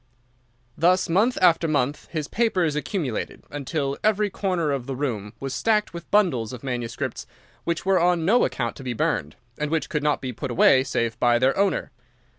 Thus month after month his papers accumulated, until every corner of the room was stacked with bundles of manuscript which were on no account to be burned, and which could not be put away save by their owner.